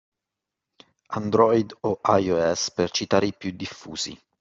Android o iOS per citare i più diffusi